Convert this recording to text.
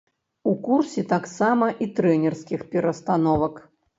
У курсе таксама і трэнерскіх перастановак.